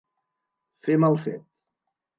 Fer mal fet.